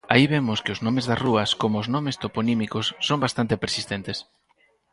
Aí vemos que os nomes das rúas, como os nomes toponímicos, son bastante persistentes.